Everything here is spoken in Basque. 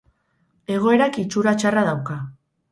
Egoerak itxura txarra dauka.